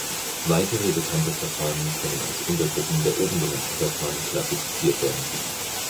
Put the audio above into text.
Weitere bekannte Verfahren können als Untergruppen der oben genannten Verfahren klassifiziert werden.